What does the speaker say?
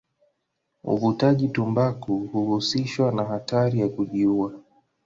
Uvutaji tumbaku huhusishwa na hatari ya kujiua.